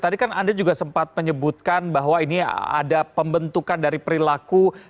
tadi kan anda juga sempat menyebutkan bahwa ini ada pembentukan dari perilaku